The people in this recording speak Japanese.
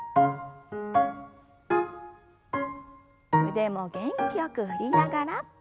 腕も元気よく振りながら。